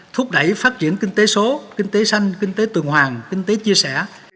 thúc đẩy phát triển kinh tế số kinh tế xanh kinh tế tuần hoàng kinh tế chia sẻ